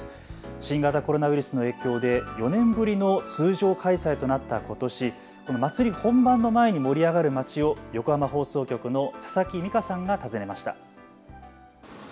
新型コロナウイルスの影響で４年ぶりの通常開催となったことし、まつり本番の前に盛り上がる街を横浜放送局の佐々木美佳さんが訪ねました。